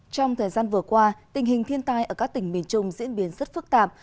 trong thời gian vừa qua tình hình thiên tai ở các tỉnh miền trung diễn biến rất phức tạp